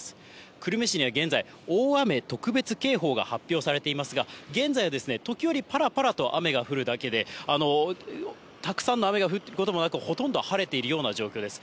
久留米市には現在、大雨特別警報が発表されていますが、現在は時折、ぱらぱらと雨が降るだけで、たくさんの雨が降ることもなく、ほとんど晴れているような状況です。